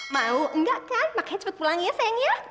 mau enggak kan makanya cepet pulang ya sayang ya